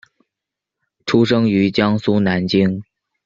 出生于江苏南京。